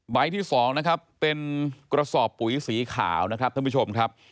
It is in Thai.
ที่๒นะครับเป็นกระสอบปุ๋ยสีขาวนะครับท่านผู้ชมครับ